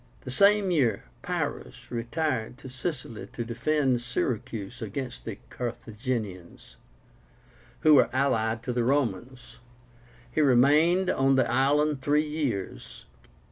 The same year Pyrrhus retired to Sicily to defend Syracuse against the Carthaginians, who were allied to the Romans. He remained on the island three years.